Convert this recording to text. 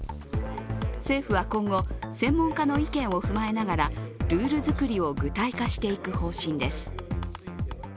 政府は今後、専門家の意見を踏まえながらルール作りを具体化していく方針です。